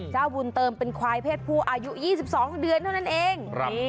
เจ้าบุญเติมเป็นควายเพศผู้อายุ๒๒เดือนเท่านั้นเอง